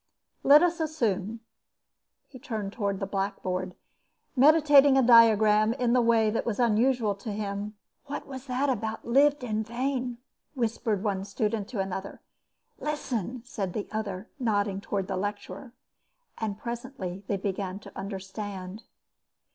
Let us assume " He turned towards the blackboard, meditating a diagram in the way that was usual to him. "What was that about 'lived in vain?'" whispered one student to another. "Listen," said the other, nodding towards the lecturer. And presently they began to understand.